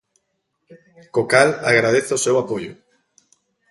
Co cal agradezo o seu apoio.